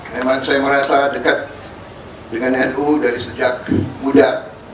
memang saya merasa dekat dengan nu dari sejak muda